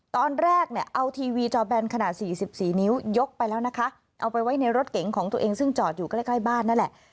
ตอนแรกเนี่ยเอาทีวีจอแบนขนาด๔๔นิ้วยกไปแล้วนะคะเอาไปไว้ในรถเก๋งของตัวเองซึ่งจอดอยู่ใกล้ใกล้บ้านนั่นแหละ